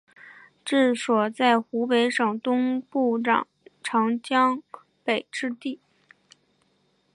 治所在湖北省东部长江北之地。